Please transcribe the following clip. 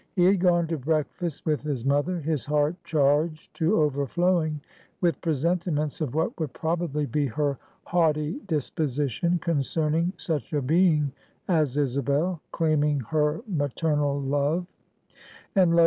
He had gone to breakfast with his mother, his heart charged to overflowing with presentiments of what would probably be her haughty disposition concerning such a being as Isabel, claiming her maternal love: and lo!